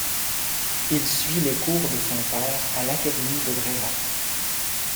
Il suit les cours de son père à l'Académie de Brera.